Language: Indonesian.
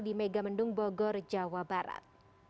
di megamendung bogor jawa barat